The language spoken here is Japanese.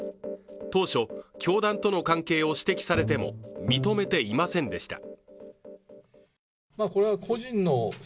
当初、教団との関係を指摘されても認めていませんでした。